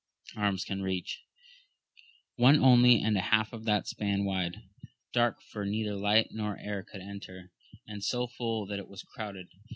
arms can reach ; one only and a half of that span wide ; dark, for neither light nor air could enter, and so full that it was crowded.